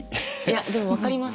いやでも分かります。